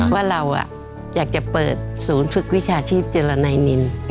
ว่าเราอยากจะเปิดศูนย์ฝึกวิชาชีพเจรนายนิน